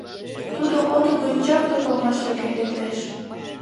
Тудо ото гыч чапле памаш йоген лектеш.